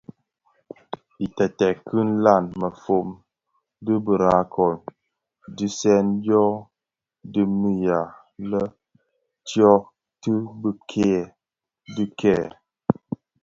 Iteeted ki nlaň mefom di Birakoň ditsem dyo dhemiya lè dyotibikèè dhikèè.